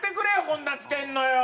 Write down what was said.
こんな付けんのよ！